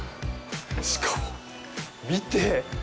しかも、見て！